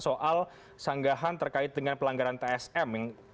soal sanggahan terkait dengan pelanggaran tsm